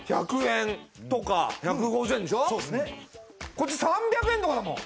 こっち３００円とかだもん。